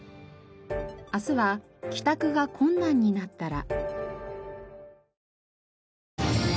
明日は帰宅が困難になったら。